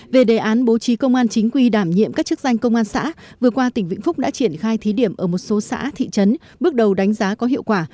về đề án bố trí công an chính quy đảm nhiệm các chức danh công an xã vừa qua tỉnh vĩnh phúc đã triển khai thí điểm ở một số xã thị trấn bước đầu đánh giá có hiệu quả